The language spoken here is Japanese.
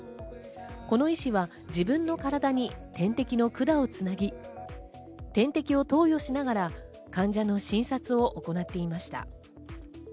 この医師は自分の体に点滴の管をつなぎ、点滴を投与しながら患者の診察を行っていました。